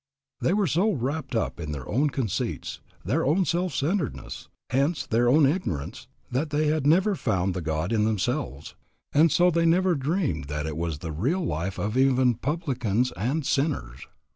They were so wrapped up in their own conceits, their own self centredness, hence their own ignorance, that they had never found the God in themselves, and so they never dreamed that it was the real life of even publicans and sinners.